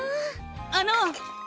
あの！